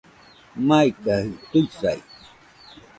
Maikajɨ tuisai